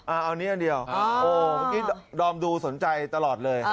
เอานี้อันเดียวโอ้เมื่อกี้ดอมดูสนใจตลอดเลย